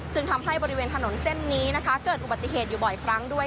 ทำให้บริเวณถนนเส้นนี้นะคะเกิดอุบัติเหตุอยู่บ่อยครั้งด้วย